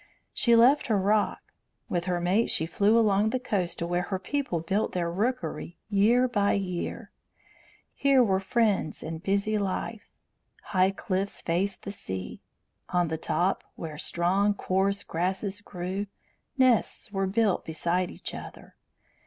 She left her rock. With her mate she flew along the coast to where her people built their rookery year by year. Here were friends and busy life. High cliffs faced the sea. On the top, where strong, coarse grasses grew, nests were built beside each other.